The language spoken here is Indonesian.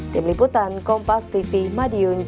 tim liputan kompas tv madiun jawa tenggara